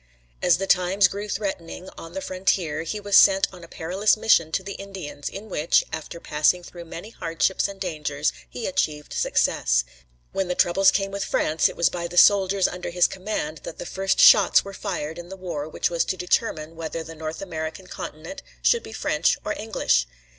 As the times grew threatening on the frontier, he was sent on a perilous mission to the Indians, in which, after passing through many hardships and dangers, he achieved success. When the troubles came with France it was by the soldiers under his command that the first shots were fired in the war which was to determine whether the North American continent should be French or English.